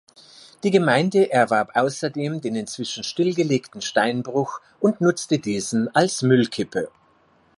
Die Gemeinde erwarb außerdem den inzwischen stillgelegten Steinbruch und nutzte diesen als Müllkippe.